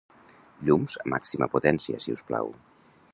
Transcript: Llums a màxima potència, si us plau.